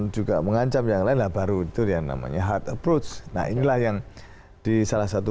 juga mengancam yang lain lah baru itu yang namanya hard approach nah inilah yang di salah satu